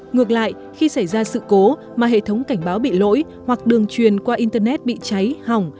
ngược lại khi xảy ra sự cố mà hệ thống cảnh báo bị lỗi hoặc đường truyền qua internet bị cháy hỏng